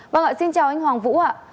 vâng ạ xin chào anh hoàng vũ ạ